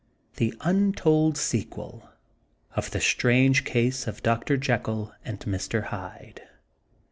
THE UNTOLD SEQUEL OF THE STRANGE CASE OF DR. JEKYLL AND MR. HYDE.